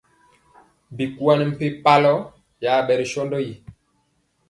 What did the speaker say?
Bikwan mpempalɔ yaɓɛ ri sɔndɔ yi.